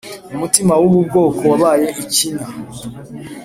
Umutima w ubu bwoko wabaye ikinya